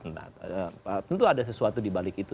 nah tentu ada sesuatu dibalik itu